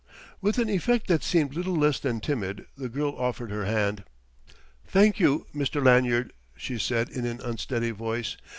With an effect that seemed little less than timid, the girl offered her hand. "Thank you, Mr. Lanyard," she said in an unsteady voice.